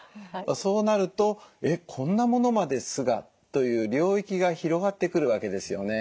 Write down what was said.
そうなると「えっこんなものまで酢が」という領域が広がってくるわけですよね。